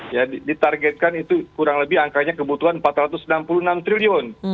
ya ditargetkan itu kurang lebih angkanya kebutuhan rp empat ratus enam puluh enam triliun